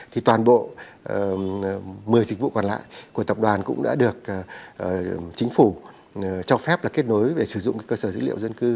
thì toàn bộ một mươi dịch vụ còn lại của tập đoàn cũng đã được chính phủ cho phép là kết nối về sử dụng cơ sở dữ liệu dân cư